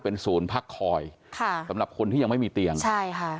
เป็นศูนย์พักคอยค่ะสำหรับคนที่ยังไม่มีเตียงใช่ค่ะ